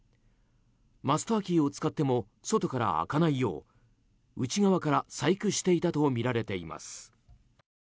マスターキーを使っても外から開かないよう内側から細工していたとみられています。